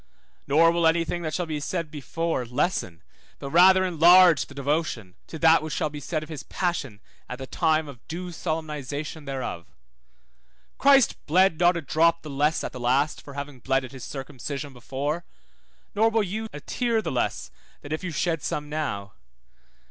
Nor will any thing that shall be said before lessen, but rather enlarge the devotion, to that which shall be said of his passion at the time of due solemnization thereof. Christ bled not a drop the less at the last for having bled at his circumcision before, nor will you a tear the less then if you shed some now.